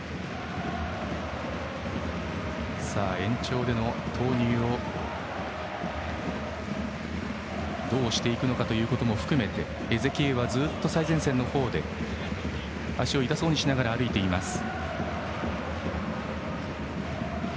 延長での投入をどうしていくのかということも含めてエゼキエウはずっと最前線で足を痛そうにしながら歩いています。